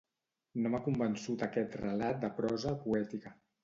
No m'ha convençut aquest relat de prosa poètica.